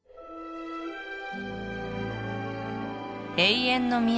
永遠の都